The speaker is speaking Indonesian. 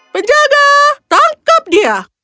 penjaga tangkap dia